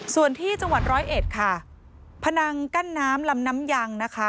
ส่วนที่จังหวัดร้อยเอ็ดค่ะพนังกั้นน้ำลำน้ำยังนะคะ